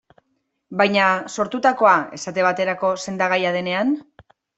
Baina, sortutakoa, esate baterako, sendagaia denean?